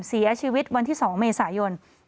เสียชีวิตวันที่๒เมษายน